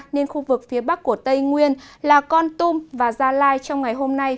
nên khu vực phía bắc của tây nguyên là con tum và gia lai trong ngày hôm nay